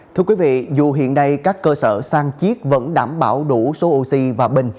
thưa quý vị dù hiện nay các cơ sở sang chiếc vẫn đảm bảo đủ số oxy và bình